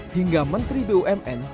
hingga menteri bumn